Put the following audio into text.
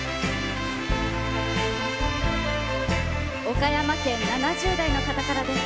岡山県７０代の方からです。